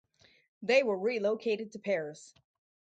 They were re-located to Paris.